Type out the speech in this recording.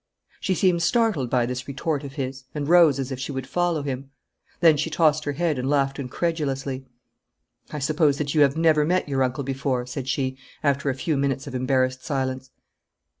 She seemed startled by this retort of his, and rose as if she would follow him. Then she tossed her head and laughed incredulously. 'I suppose that you have never met your uncle before?' said she, after a few minutes of embarrassed silence.